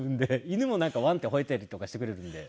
犬もなんかワンってほえたりとかしてくれるので。